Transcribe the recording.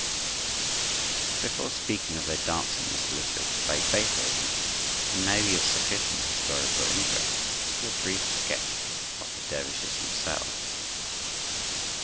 But, before speaking of their dancing as illustrated by Beethoven, it may be of sufficient historical interest to give a brief sketch of the dervishes themselves.